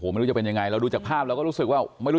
ไม่รู้จะเป็นยังไงเราดูจากภาพเราก็รู้สึกว่าไม่รู้